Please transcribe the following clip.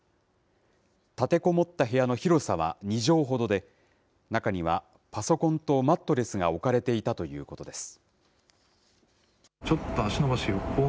立てこもった部屋の広さは２畳ほどで、中にはパソコンとマットレスが置かれていたということです。